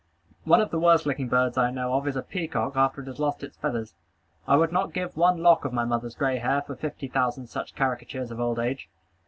One of the worst looking birds I know of is a peacock after it has lost its feathers. I would not give one lock of my mother's gray hair for fifty thousand such caricatures of old age.